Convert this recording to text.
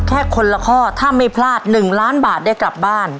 แค่คนละข้อถ้าไม่พลาด๑ล้านบาทได้กลับบ้าน